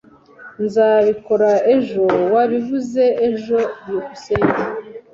"Nzabikora ejo." "Wabivuze ejo!" byukusenge